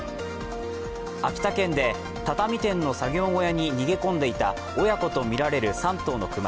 秋田県で畳店の作業小屋に逃げ込んでいた親子とみられる３頭の熊。